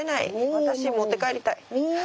私持って帰りたい。